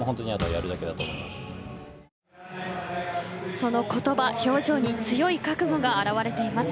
その言葉、表情に強い覚悟が表れています。